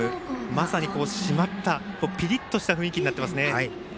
まさにしまった、ピリッとした雰囲気になってますね。